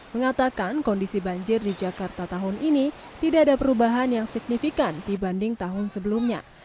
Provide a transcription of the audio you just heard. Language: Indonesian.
mengatakan kondisi banjir di jakarta tahun ini tidak ada perubahan yang signifikan dibanding tahun sebelumnya